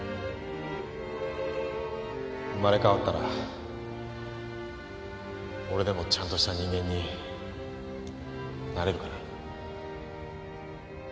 生まれ変わったら俺でもちゃんとした人間になれるかな？